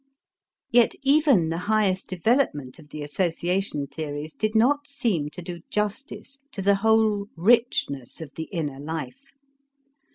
Yet even the highest development of the association theories did not seem to do justice to the whole richness of the inner life.